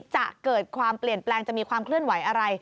จะเกิดความเปลี่ยนแปลงจะมีความเคลื่อนไหวอะไร